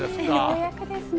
ようやくですね。